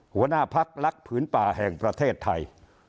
หัวหน้าพักรักผืนป่าแห่งประเทศไทย